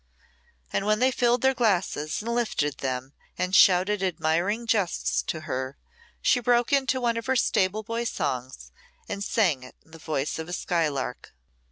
And when they filled their glasses and lifted them and shouted admiring jests to her, she broke into one of her stable boy songs, and sang it in the voice of a skylark.